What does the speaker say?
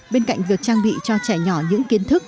bên cạnh việc trang bị cho trẻ nhỏ những kiến thức